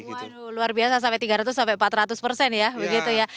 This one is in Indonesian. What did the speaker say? waduh luar biasa sampai tiga ratus sampai empat ratus persen ya begitu ya